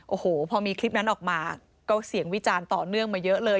โอ้โหพอมีคลิปนั้นออกมาก็เสียงวิจารณ์ต่อเนื่องมาเยอะเลย